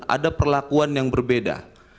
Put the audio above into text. ada perlakuan yang berbeda